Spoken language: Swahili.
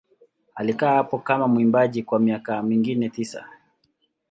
Alikaa hapo kama mwimbaji kwa miaka mingine tisa.